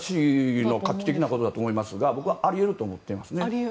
画期的なことだと思いますが僕はあり得ると思っています。